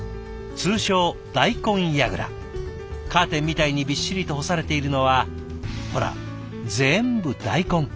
カーテンみたいにびっしりと干されているのはほら全部大根。